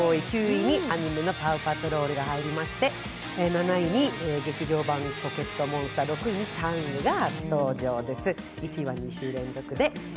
９位にアニメの「パウ・パトロール」が入りまして、７位に「劇場版ポケットモンスター」、６位に「ＴＡＮＧタング」が初登場です。